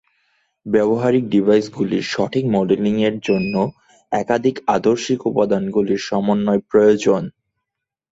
ব্যবহারিক ডিভাইসগুলির সঠিক মডেলিংয়ের জন্য একাধিক আদর্শিক উপাদানগুলির সমন্বয় প্রয়োজন।